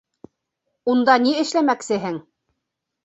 Унда ни эшләмәксеһең?